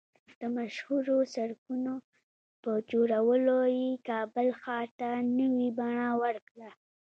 د مشهورو سړکونو په جوړولو یې کابل ښار ته نوې بڼه ورکړه